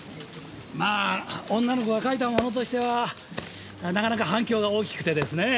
まあ女の子が書いたものとしてはなかなか反響が大きくてですね。